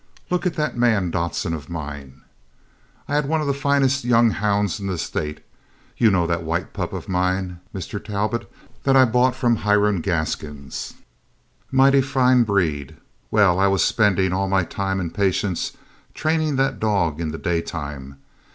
Look at that man, Dodson, of mine. I had one of the finest young hounds in the State. You know that white pup of mine, Mr. Talbot, that I bought from Hiram Gaskins? Mighty fine breed. Well, I was spendin' all my time and patience trainin' that dog in the daytime.